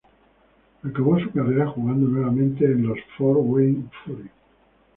Acabó su carrera jugando nuevamente en los Fort Wayne Fury.